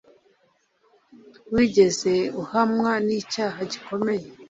Wigeze uhamwa n'icyaha gikomeye?